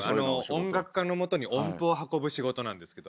音楽家のもとに音符を運ぶ仕事なんですけど。